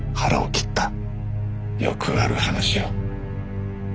よくある話よ。